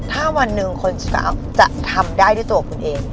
ถ้าวันหนึ่งคนสาวจะทำได้ด้วยตัวคุณเอง